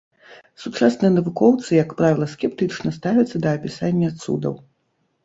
Сучасныя навукоўцы, як правіла, скептычна ставяцца да апісання цудаў.